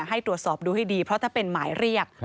ให้ตรวจสอบดูให้ดีเพราะถ้าเป็นหมายเรียก